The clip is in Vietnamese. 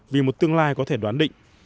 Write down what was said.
vì một tương lai có thể đoán định